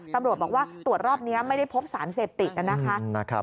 ตำรวจบอกว่าตรวจรอบนี้ไม่ได้พบสารเสพติดนะคะ